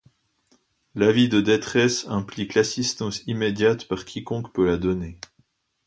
L'avis de détresse implique l'assistance immédiate par quiconque peut la donner.